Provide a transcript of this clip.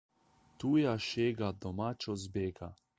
Tuja šega domačo zbega.